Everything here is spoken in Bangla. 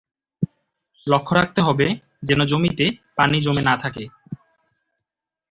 লক্ষ্য রাখতে হবে যেন জমিতে পানি জমে না থাকে।